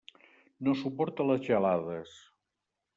No suporta les gelades.